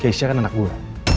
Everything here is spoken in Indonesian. keisha kan anak gue